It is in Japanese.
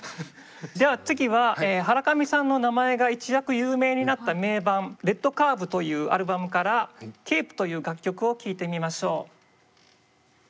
では次はハラカミさんの名前が一躍有名になった名盤「ｒｅｄｃｕｒｂ」というアルバムから「ｃａｐｅ」という楽曲を聴いてみましょう。